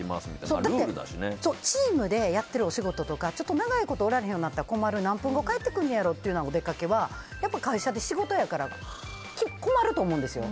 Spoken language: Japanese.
だってチームでやっているお仕事とか長いことおられへんようになったら困る何分後に帰ってくるんやろうってお出かけは、会社で仕事だと困ると思うんですよ。